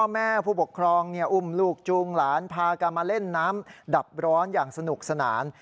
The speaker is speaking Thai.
แม่ผู้ปกครองอุ้มลูกจูงหลานพากันมาเล่นน้ำดับร้อนอย่างสนุกสนาน